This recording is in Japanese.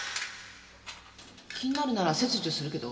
気になるなら切除するけど。